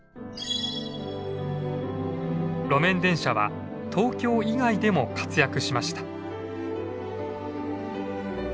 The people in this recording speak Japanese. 路面電車は東京以外でも活躍しました。